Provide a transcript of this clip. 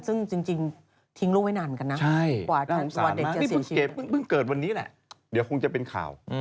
ซึ่งจริงทิ้งลูกไว้นานกันนะกว่าเด็กจะเสียชีวิตนี่เพิ่งเกิดวันนี้แหละเดี๋ยวคงจะเป็นข่าว